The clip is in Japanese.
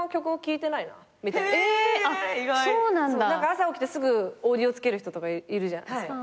朝起きてすぐオーディオつける人とかいるじゃないですか。